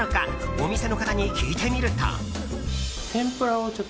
お店の方に聞いてみると。